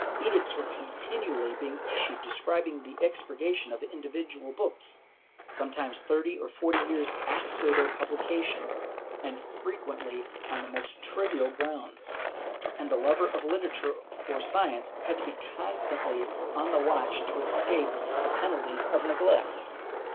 Edicts were continually being issued prescribing the expurgation of individual books, sometimes thirty or forty years after their pubhcation, and frequently on the most trivial grounds, and the lover of literature or science had to be constantly on the watch to escape the penalties of neglect.